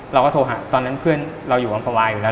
เราก็โทรหาตอนนั้นเพื่อนเราอยู่อำภาวาอยู่แล้ว